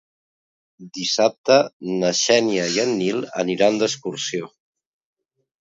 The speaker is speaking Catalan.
Dissabte na Xènia i en Nil aniran d'excursió.